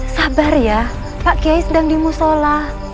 sabar ya pak kiai sedang dimusolah